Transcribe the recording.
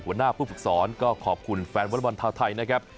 หัวหน้าผู้ฝึกสอนก็ขอบคุณแฟนวอลบอลชาวไทยนะครับ